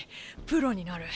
プロになる。